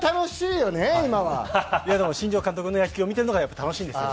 でも新庄監督の野球見ているのが楽しいんですよ。